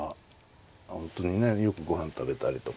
本当にねよく御飯食べたりとか。